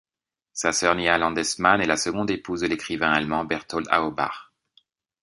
Sa sœur Nina Landesmann est la seconde épouse de l'écrivain allemand Berthold Auerbach.